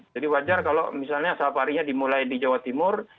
jadi wajar kalau misalnya safarinya dimulai di jawa timur